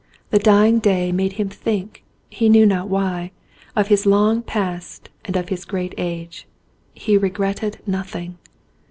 The dying day made him think, he knew not why, of Lis long past and of his great age. He regretted nothing.